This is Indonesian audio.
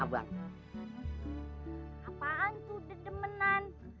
apaan tuh dedemenan